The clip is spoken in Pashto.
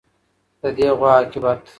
د دې غوا عاقبت